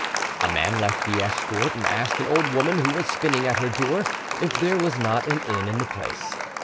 A man left the escort, and asked an old woman who was spinning at her door if there was not an inn in the place.